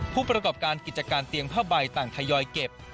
ผู้ประกอบการกิจการเตียงผ้าใบต่างทยอยเก็บ